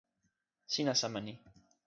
sina sama ni.